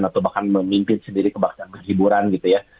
atau bahkan memimpin sendiri kebaktian perhiburan gitu ya